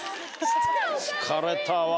疲れたわ。